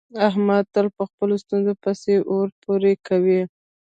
احمد تل په خپلو ستونزو پسې اور پورې کوي.